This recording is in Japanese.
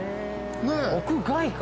屋外か。